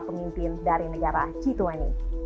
pemimpin dari negara g dua puluh